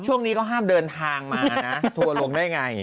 ช่วงนี้ก็ห้ามเดินทางมานะทัวร์ลงได้ไง